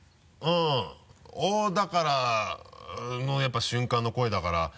だからそのやっぱ瞬間の声だから。